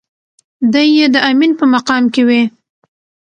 دی يې د امين په مقام کې وي.